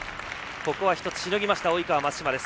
ここは１つ、しのぎました及川、松島です。